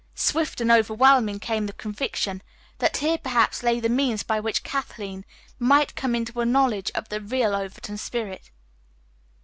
Swift and overwhelming came the conviction that here perhaps lay the means by which Kathleen might come into a knowledge of the real Overton spirit.